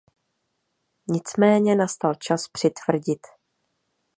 Nicméně nastal čas přitvrdit.